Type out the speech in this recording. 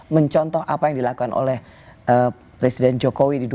mencontoh apa yang dilakukan oleh presiden jokowi di dua ribu dua puluh